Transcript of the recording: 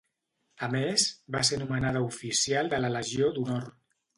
A més, va ser nomenada Oficial de la Legió d'Honor.